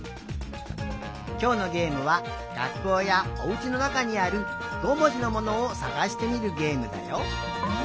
きょうのゲームはがっこうやおうちのなかにある５もじのものをさがしてみるゲームだよ。